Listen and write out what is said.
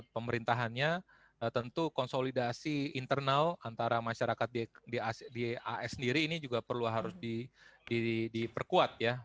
pemerintahannya tentu konsolidasi internal antara masyarakat di as sendiri ini juga perlu harus diperkuat ya